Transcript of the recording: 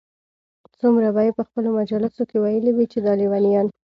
څومره به ئې په خپلو مجالسو كي ويلي وي چې دا ليونيان